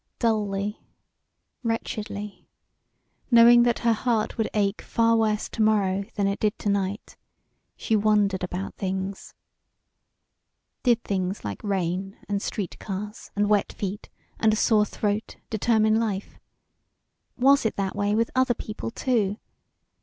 Dully, wretchedly knowing that her heart would ache far worse to morrow than it did to night she wondered about things. Did things like rain and street cars and wet feet and a sore throat determine life? Was it that way with other people, too?